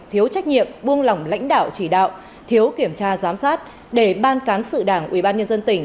thiếu trách nhiệm buông lỏng lãnh đạo chỉ đạo thiếu kiểm tra giám sát để ban cán sự đảng